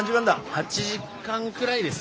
８時間くらいです。